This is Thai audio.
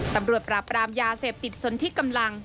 ตำรวจปราบรามยาเสพติดสนที่กำลัง